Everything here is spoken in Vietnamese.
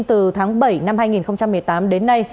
từ tháng bảy năm hai nghìn một mươi tám đến nay